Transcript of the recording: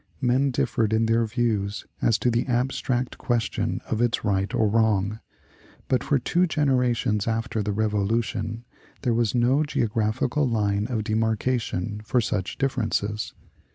Men differed in their views as to the abstract question of its right or wrong, but for two generations after the Revolution there was no geographical line of demarkation for such differences.